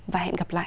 và hẹn gặp lại